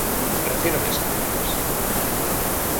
Refírome as críticas...